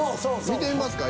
見てみますか？